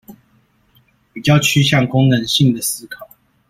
比較趨向功能性的思考